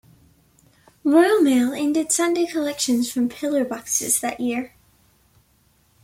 Royal Mail ended Sunday collections from pillar boxes that year.